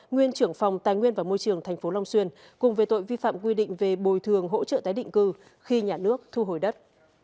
nguyên trưởng phòng tài nguyên và môi trường tp long xuyên cùng về tội vi phạm quy định về bồi thường hỗ trợ tái định cư khi nhà nước thu hồi đất